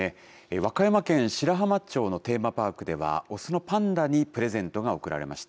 和歌山県白浜町のテーマパークでは、雄のパンダにプレゼントが贈られました。